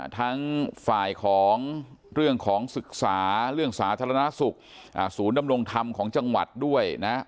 ทั้งฝ่ายของเรื่องของศึกษาเรื่องสาธารณสุขศูนย์ดำรงธรรมของจังหวัดด้วยนะ